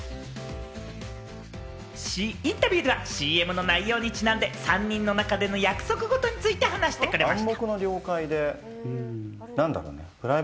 インタビューではＣＭの内容にちなんで、３人の中での約束事について話してくれました。